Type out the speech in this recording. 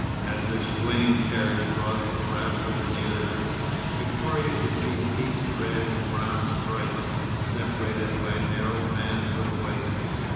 As their swaying carriage brought the travellers nearer, Victoria could see deep red and brown stripes, separated by narrow bands of white.